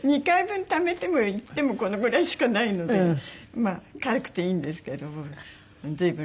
２回分ためてもいってもこのぐらいしかないので軽くていいんですけどもね。